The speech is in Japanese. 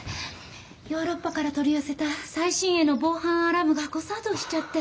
ヨーロッパから取り寄せた最新鋭の防犯アラームが誤作動しちゃって。